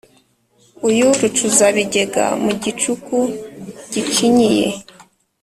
uyu rucuzabigega mu gicuku gicinyiye